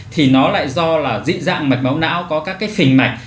thì nó lại do là dị dạng mạch máu não có các cái phình mạch